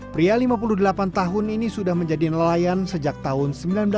pria lima puluh delapan tahun ini sudah menjadi nelayan sejak tahun seribu sembilan ratus delapan puluh